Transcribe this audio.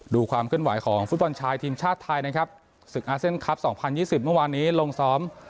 ความเคลื่อนไหวของฟุตบอลชายทีมชาติไทยนะครับศึกอาเซียนคลับสองพันยี่สิบเมื่อวานนี้ลงซ้อม